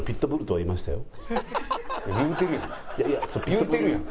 言うてるやん。